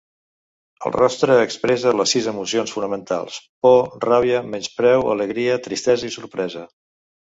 El rostre expressa les sis emocions fonamentals: por, ràbia, menyspreu, alegria, tristesa i sorpresa.